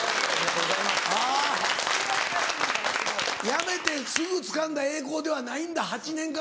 辞めてすぐつかんだ栄光ではないんだ８年かかって。